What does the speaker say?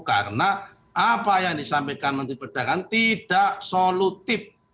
karena apa yang disampaikan menteri perdagangan tidak solutif